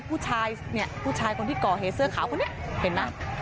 ผู้ชายเนี่ยผู้ชายคนที่ก่อเหตุเสื้อขาวคนนี้เห็นไหม